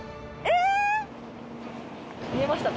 見えましたか？